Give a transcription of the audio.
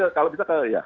kalau bisa ya